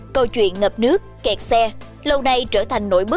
câu chuyện ngập nước kẹt xe lâu nay trở thành nổi bức